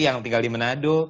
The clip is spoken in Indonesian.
yang tinggal di menado